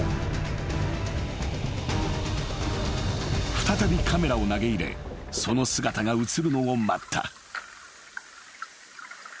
［再びカメラを投げ入れその姿が写るのを待った］